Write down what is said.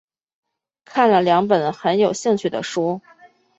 看了两本很有兴趣的书